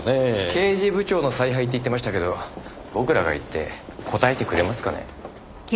刑事部長の采配って言ってましたけど僕らが行って答えてくれますかね？